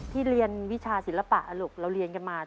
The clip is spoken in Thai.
เรียนวิชาศิลปะลูกเราเรียนกันมา